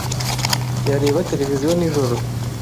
Yareba televiziyo nijoro.